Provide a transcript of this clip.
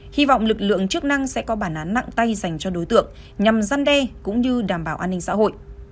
hy vọng lực lượng chức năng sẽ có bản án nặng tay dành cho đối tượng nhằm gian đe cũng như đảm bảo an ninh xã hội